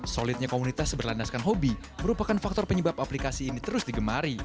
solidnya komunitas berlandaskan hobi merupakan faktor penyebab aplikasi ini terus digemari